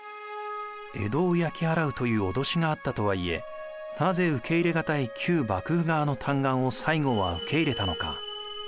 江戸を焼き払うという脅しがあったとはいえなぜ受け入れがたい旧幕府側の嘆願を西郷は受け入れたのか。